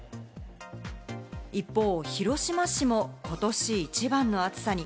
一方、広島市もことし一番の暑さに。